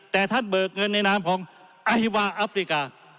แต่ท่านเบิกเงินในนามของไอวาอัฟริกา